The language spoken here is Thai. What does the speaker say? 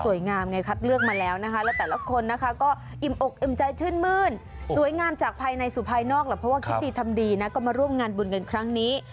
ไงคัดเลือกมาแล้วนะคะแล้วแต่ละคนนะคะก็อิ่มอกอิ่มใจชื่นมื้นสวยงามจากภายในสู่ภายนอกแหละเพราะว่าคิดดีทำดีนะก็มาร่วมงานบุญกันครั้งนี้